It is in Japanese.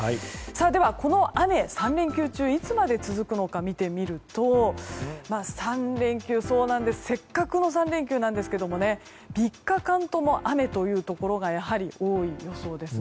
では、この雨は３連休中いつまで続くのか見てみるとせっかくの３連休なんですが３日間とも雨というところがやはり多い予想です。